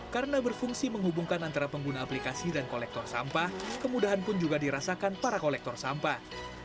karena berfungsi menghubungkan antara pengguna aplikasi dan kolektor sampah kemudahan pun juga dirasakan para kolektor sampah